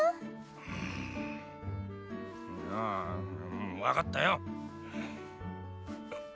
うんああ分かったよ。